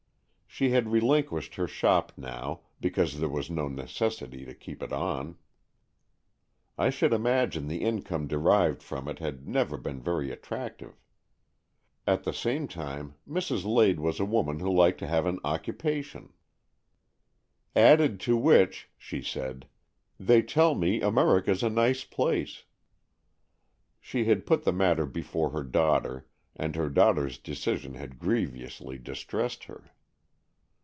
She had relin quished her shop now, because there was no necessity to keep it on. I should imagine the income derived from it had never been very attractive. At the same time, Mrs. Lade was a woman who liked to have an occupa 146 AN EXCHANGE OF SOULS tion. '' Added to which," she said, '' they tell me America's a nice place " She had put the matter before her daughter, and her daughter's decision had grievously distressed her.